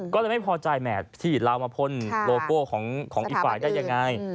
ก็เลยไม่พอใจแห่ที่ลาวมาพ่นโลโก้ของอีกฝ่ายได้ยังไง